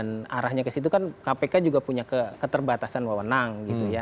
dan arahnya ke situ kan kpk juga punya keterbatasan wawonang gitu ya